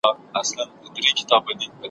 چي خبري د رڼا اوري ترهیږي ,